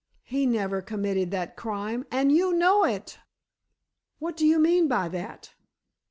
"He never committed that crime—and you know it!" "What do you mean by that?"